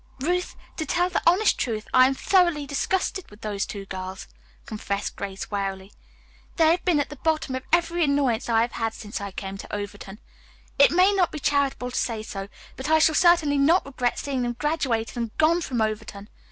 "Ruth, to tell the honest truth, I am thoroughly disgusted with those two girls," confessed Grace wearily. "They have been at the bottom of every annoyance I have had since I came to Overton. It may not be charitable to say so, but I shall certainly not regret seeing them graduated and gone from Overton.